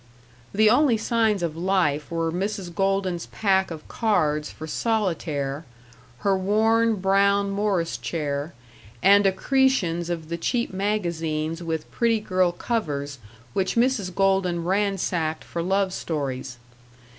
The only signs of life were Mrs. Golden's pack of cards for solitaire, her worn, brown Morris chair, and accretions of the cheap magazines with pretty girl covers which Mrs. Golden ransacked for love stories.